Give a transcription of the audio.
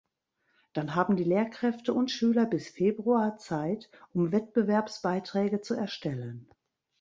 Dann haben die Lehrkräfte und Schüler bis Februar Zeit, um Wettbewerbsbeiträge zu erstellen.